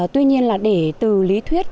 tuy nhiên là để từ lý thuyết